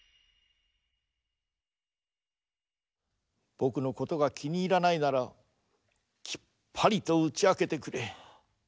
ぼくのことがきにいらないならきっぱりとうちあけてくれ。